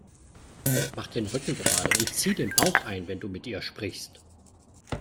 Mach den Rücken gerade und zieh den Bauch ein, wenn du mit ihr sprichst!